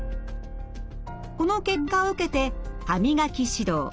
この結果を受けて歯磨き指導。